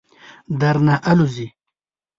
درنه آلوځي.